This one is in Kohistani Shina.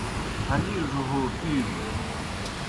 ہلیڙوْ ہو پِیلوْ